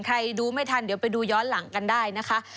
ดูไม่ทันเดี๋ยวไปดูย้อนหลังกันได้นะคะ